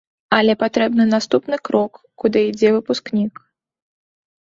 Але патрэбны наступны крок, куды ідзе выпускнік.